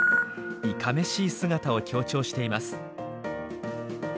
いかめしい姿を強調しています。